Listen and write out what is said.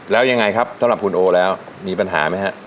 แล้วยังไงครับสำหรับคุณโอแล้วมีปัญหาไหมฮะ